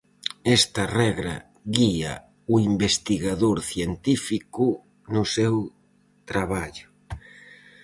Esta regra guía o investigador científico no seu traballo.